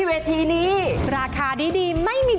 เก็บรับจำนำ